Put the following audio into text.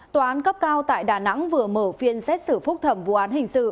tòa án cấp cao tại đà nẵng vừa mở phiên xét xử phúc thẩm vụ án hình sự